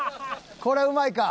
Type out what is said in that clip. これうまいか？